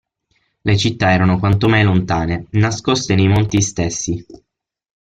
Le città erano quanto mai lontane, nascoste nei monti stessi.